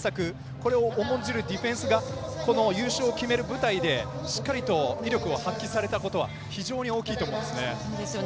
これを重んじるディフェンスが優勝を決める舞台で、しっかりと威力を発揮されたことは非常に大きいと思いますね。